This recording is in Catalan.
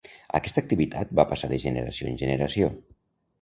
Aquesta activitat va passar de generació en generació.